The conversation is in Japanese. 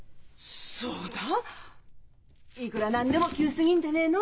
そんだいくら何でも急すぎんでねえの？